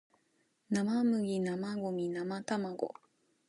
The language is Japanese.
生麦生ゴミ生卵